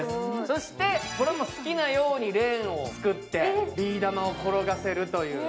そして、これも好きなようにレーンを作ってビー玉を転がせるという。